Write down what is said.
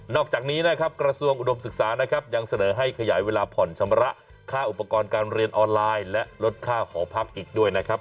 อกจากนี้นะครับกระทรวงอุดมศึกษานะครับยังเสนอให้ขยายเวลาผ่อนชำระค่าอุปกรณ์การเรียนออนไลน์และลดค่าหอพักอีกด้วยนะครับ